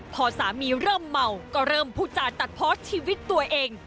พอสามีเริ่มเมาก็เริ่มพูดจาตัดเพาะชีวิตตัวเอง